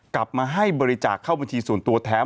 กลับมาให้บริจาคเข้าบัญชีส่วนตัวแถม